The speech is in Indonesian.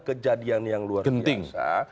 kejadian yang luar biasa